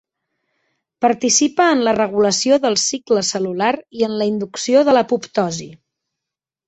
Participa en la regulació del cicle cel·lular i en la inducció de l'apoptosi.